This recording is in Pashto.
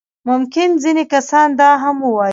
ممکن ځينې کسان دا هم ووايي.